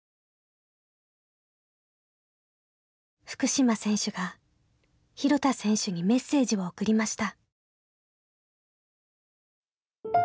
福島選手が廣田選手にメッセージを送りました。